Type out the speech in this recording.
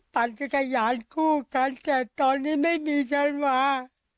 ปั่นจักรยานคู่กันแต่ตอนนี้ไม่มีใครมา